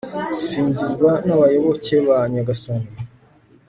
singizwa n'abayoboke ba nyagasani